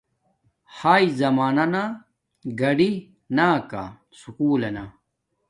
ھأݶ زمانانا گاڈی نا کا سکُول لنا